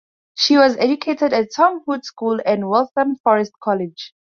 She was educated at Tom Hood School and Waltham Forest College.